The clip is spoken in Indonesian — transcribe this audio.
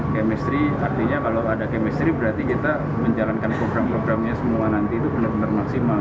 chemistry artinya kalau ada chemistry berarti kita menjalankan program programnya semua nanti itu benar benar maksimal